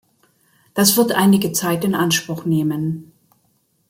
Das wird einige Zeit in Anspruch nehmen.